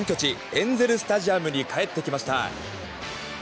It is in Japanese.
エンゼル・スタジアムに帰ってきました。